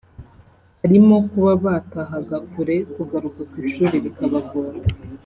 harimo kuba batahaga kure kugaruka ku ishuri bikabagora